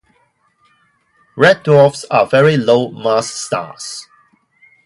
Red dwarfs are very-low-mass stars.